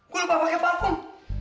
gue lupa pake parfum